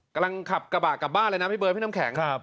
กำลังขับกระบะกลับบ้านเลยนะพี่เบิร์ดพี่น้ำแข็ง